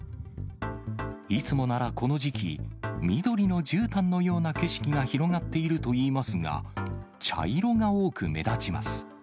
いつもならこの時期、緑のじゅうたんのような景色が広がっているといいますが、茶色が多く目立ちます。